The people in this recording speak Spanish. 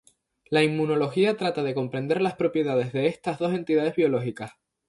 La inmunología trata de comprender las propiedades de estas dos entidades biológicas.